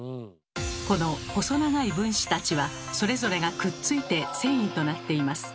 この細長い分子たちはそれぞれがくっついて繊維となっています。